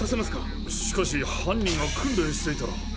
しかし犯人が訓練していたら。